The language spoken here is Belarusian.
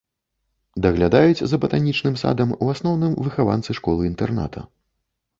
Даглядаюць за батанічным садам у асноўным выхаванцы школы-інтэрната.